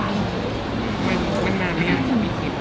มันนานแล้วค่ะ